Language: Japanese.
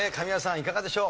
いかがでしょう？